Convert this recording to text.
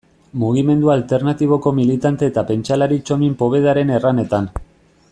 Mugimendu alternatiboko militante eta pentsalari Txomin Povedaren erranetan.